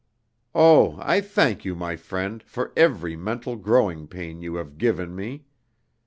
"Oh, I thank you, my friend, for every mental growing pain you have given me!